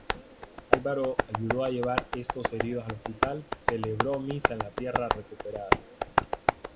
Álvaro ayudó a llevar estos heridos al hospital, celebró misa en la tierra recuperada.